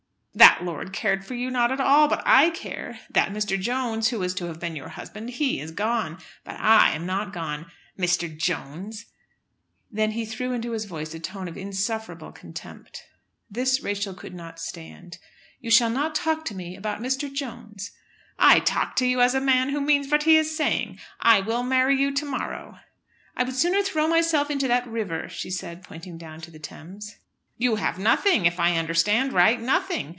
"That lord cared for you not at all, but I care. That Mr. Jones, who was to have been your husband, he is gone; but I am not gone. Mr. Jones!" then he threw into his voice a tone of insufferable contempt. This Rachel could not stand. "You shall not talk to me about Mr. Jones." "I talk to you as a man who means vat he is saying. I will marry you to morrow." "I would sooner throw myself into that river," she said, pointing down to the Thames. "You have nothing, if I understand right, nothing!